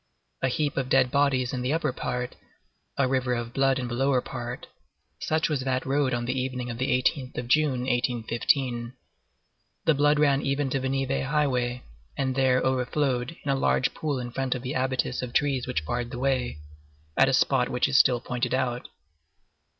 A heap of dead bodies in the upper part, a river of blood in the lower part—such was that road on the evening of the 18th of June, 1815. The blood ran even to the Nivelles highway, and there overflowed in a large pool in front of the abatis of trees which barred the way, at a spot which is still pointed out.